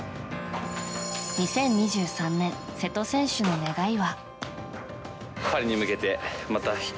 ２０２３年、瀬戸選手の願いは。